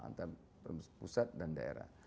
antara pusat dan daerah